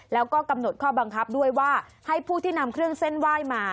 แล้วก็กำหนดข้อบังคับด้วยว่าให้ผู้ที่นำเครื่องเส้นไหว้มา